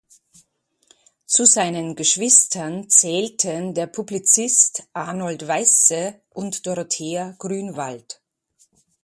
Zu seinen Geschwistern zählten der Publizist Arnold Weisse und Dorothea Grünwald.